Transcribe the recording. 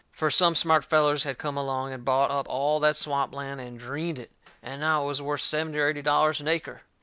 Fur some smart fellers had come along, and bought up all that swamp land and dreened it, and now it was worth seventy or eighty dollars an acre.